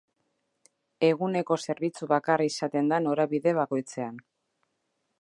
Eguneko zerbitzu bakarra izaten da norabide bakoitzean.